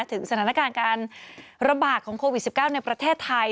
ถึงสถานการณ์การระบาดของโควิด๑๙ในประเทศไทย